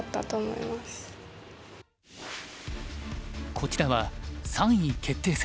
こちらは３位決定戦。